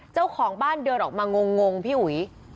เจ้าของบ้านเดินออกมางงพี่อุ๋ย